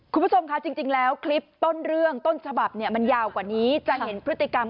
คุณผู้ชมค่ะจริงแล้วคลิปต้นเรื่องต้นฉบับมันยาวกว่านี้นะครับ